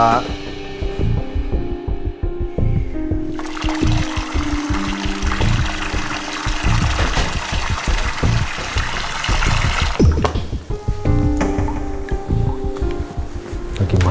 lagi mandi ya